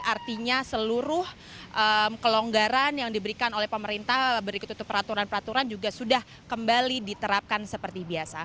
artinya seluruh kelonggaran yang diberikan oleh pemerintah berikut itu peraturan peraturan juga sudah kembali diterapkan seperti biasa